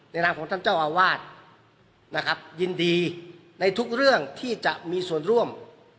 นามของท่านเจ้าอาวาสนะครับยินดีในทุกเรื่องที่จะมีส่วนร่วม